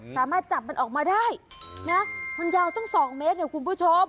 สามารถจับมันออกมาได้นะมันยาวตั้ง๒เมตรเนี่ยคุณผู้ชม